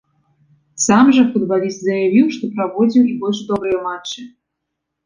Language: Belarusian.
Сам жа футбаліст заявіў, што праводзіў і больш добрыя матчы.